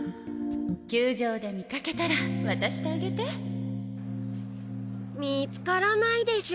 球場でみかけたら渡してあげて見つからないでしょ